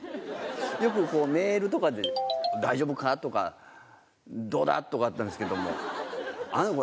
よくメールとかで「大丈夫か？」とか「どうだ？」とかあったんですけども。